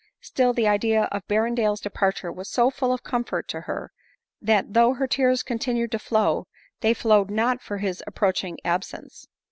Still the idea of Berrendale's departure was so full of comfort to her, that though her tears continued to flow, they flowed not for his approaching absence.